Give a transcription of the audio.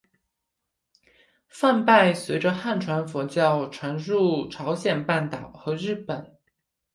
梵呗随着汉传佛教传入朝鲜半岛和日本。